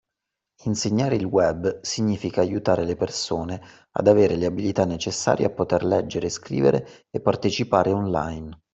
Insegnare il web significa aiutare le persone ad avere le abilità necessarie a poter leggere, scrivere e partecipare online